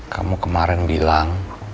kamu kemaren bilang